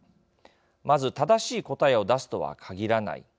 まず正しい答えを出すとは限らない。